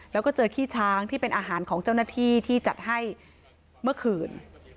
แล้วก็เจอขี้ช้างที่เป็นอาหารของเจ้าหน้าที่ที่จัดให้เมื่อคืน